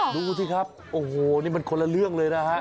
ดูสิครับโอ้โหนี่มันคนละเรื่องเลยนะฮะ